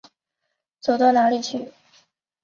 走到哪儿去。